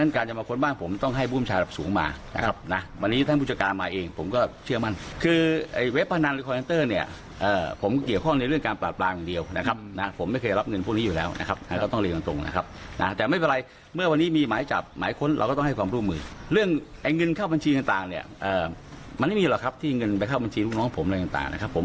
การเข้าบัญชีต่างเนี่ยมันไม่มีหรอกครับที่เงินไปเข้าบัญชีลูกน้องผมอะไรต่างนะครับผม